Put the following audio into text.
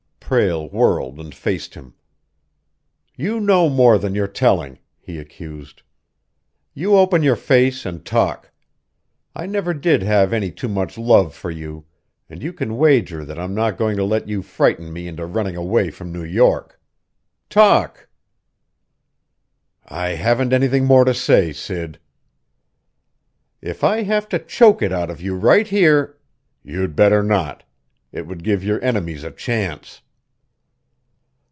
Prale whirled and faced him. "You know more than you're telling!" he accused. "You open your face and talk! I never did have any too much love for you, and you can wager that I'm not going to let you frighten me into running away from New York! Talk!" "I haven't anything more to say, Sid!" "If I have to choke it out of you right here " "You'd better not. It would give your enemies a chance!"